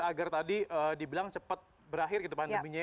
agar tadi dibilang cepat berakhir gitu pandeminya ya